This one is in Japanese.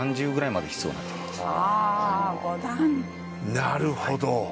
なるほど。